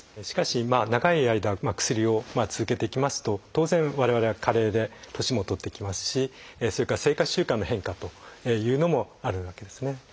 しかし長い間薬を続けていきますと当然我々は加齢で年も取っていきますしそれから生活習慣の変化というのもあるわけですね。